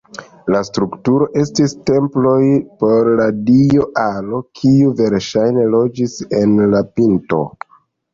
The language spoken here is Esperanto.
La strukturoj estis temploj por la dio Alo, kiu verŝajne loĝis en la pinto.